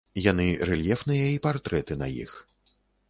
Яны рэльефныя і партрэты на іх.